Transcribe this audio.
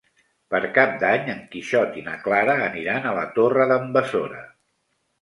Per Cap d'Any en Quixot i na Clara aniran a la Torre d'en Besora.